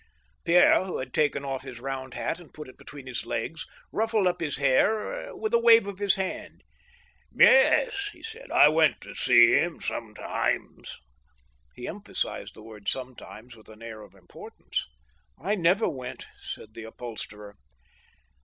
Pierre, who had taken off his round hat and put it between his legs, ruffled up his hair with a wave of his hand :" Yes," he said, " I went to see him sometimes." He emphasized the word sometimes, with an air of importance. " I never went," said the upholsterer.